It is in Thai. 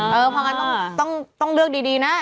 เพราะงั้นต้องเลือกดีนะ